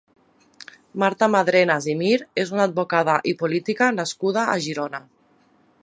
Marta Madrenas i Mir és una advocada i política nascuda a Girona.